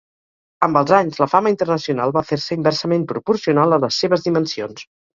Amb els anys la fama internacional va fer-se inversament proporcional a les seves dimensions.